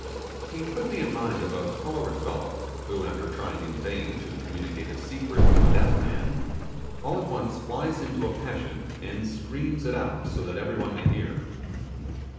He put me in mind of a choleric fellow, who, after trying in vain to communicated a secret to a deaf man, all at once flies into a passion and screams it out so that every one may hear.